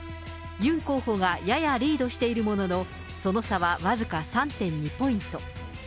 ユン候補がややリードしているものの、その差は僅か３．２ポイント。